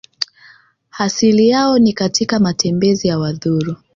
Asili yao ni katika matembezi ya Wazulu